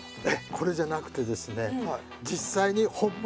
これじゃなくてですね